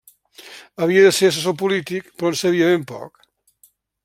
Havia de ser assessor polític però en sabia ben poc.